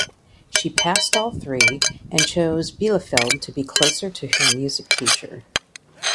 She passed all three and chose Bielefeld to be closer to her music teacher.